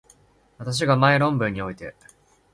私が前論文において、